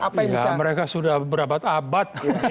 apa yang bisa ya mereka sudah berabad abad